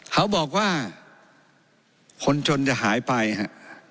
เขาบอกว่าคนจนจะหายไปฮะ